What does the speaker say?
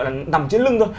nằm trên lưng thôi